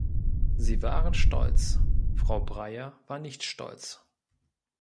Sie waren stolz, Frau Breyer war nicht stolz.